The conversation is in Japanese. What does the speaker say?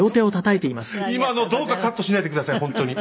今のどうかカットしないでください本当に。